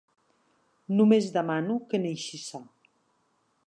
Només demano que neixi sa.